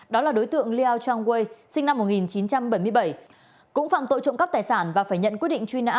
đó là đối tượng lia trang que sinh năm một nghìn chín trăm bảy mươi bảy cũng phạm tội trộm cắp tài sản và phải nhận quyết định truy nã